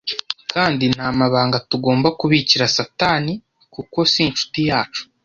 kandi ntamabanga tugomba kubikira satani kuko sinshuti yacu